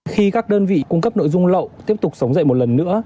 khi các đơn vị cung cấp nội dung lậu tiếp tục sống dậy một lần nữa